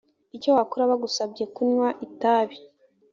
icyo wakora bagusabye kunywa itabi